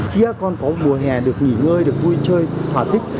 khi các con có mùa hè được nghỉ ngơi được vui chơi thỏa thích